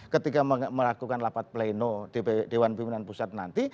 ketika melakukan rapat pleno dewan pimpinan pusat nanti